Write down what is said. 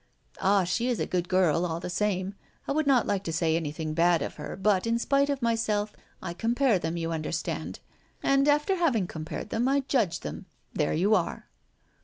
Ah! she is a good girl, all the same. I would not like to say anything bad of her; but, in spite of myself, I compare them, you understand and, after having compared them, I judge them there you are!"